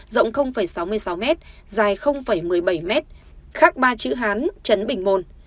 rộng sáu mươi sáu m dài một mươi bảy m khắc ba chữ hán trấn bình môn